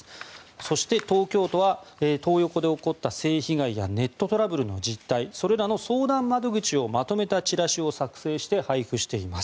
そして、東京都はトー横で起こった性被害やネットトラブルの実態それらの相談窓口をまとめたチラシを作成して配布しています。